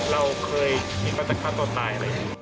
เราเคยคิดว่าจะฆ่าตัวตายอะไรอย่างนี้